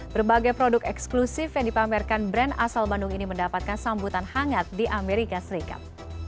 berbagai produk eksklusif yang dipamerkan brand asal bandung ini mendapatkan sambutan hangat di amerika serikat